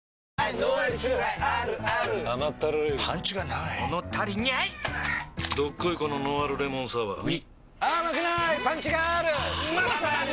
どっこいこのノンアルレモンサワーうぃまさに！